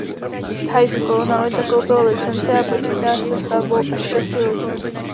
Thajsko na loď zakoupilo licenci a počítá se stavbou až šesti lodí.